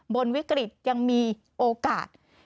บนวิกฤตยังมีโอกาส